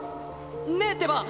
ねえってば！